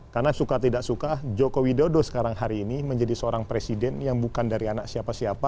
karena suka tidak suka joko widodo sekarang hari ini menjadi seorang presiden yang bukan dari anak siapa siapa